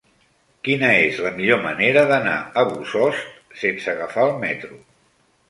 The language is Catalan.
Quina és la millor manera d'anar a Bossòst sense agafar el metro?